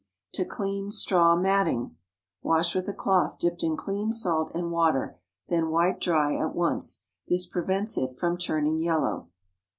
TO CLEAN STRAW MATTING. Wash with a cloth dipped in clean salt and water; then wipe dry at once. This prevents it from turning yellow.